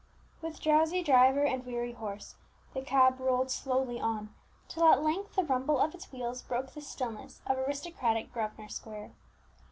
With drowsy driver and weary horse, the cab rolled slowly on, till at length the rumble of its wheels broke the stillness of aristocratic Grosvenor Square.